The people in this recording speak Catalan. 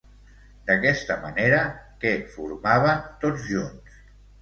D'aquesta manera, què formaven tots junts?